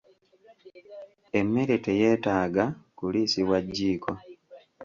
Emmere teyetaaga kuliisibwa jjiiko.